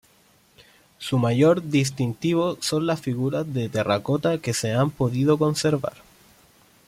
Su mayor distintivo son las figuras de terracota que se han podido conservar.